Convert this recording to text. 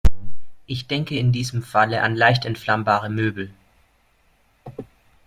Ich denke in diesem Falle an leicht entflammbare Möbel.